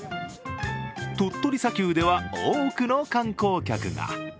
鳥取砂丘では多くの観光客が。